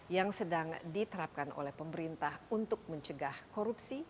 yang sedang diterapkan oleh pemerintah untuk mencegah korupsi